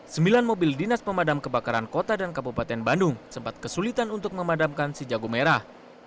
sembilan mobil dinas pemadam kebakaran kota dan kabupaten bandung sempat kesulitan untuk memadamkan si jago merah